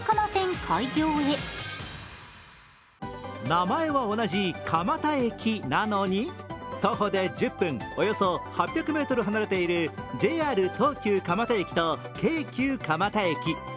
名前は同じ、蒲田駅なのに徒歩で１０分およそ８００ｍ離れているＪＲ・東急蒲田駅と京急蒲田駅。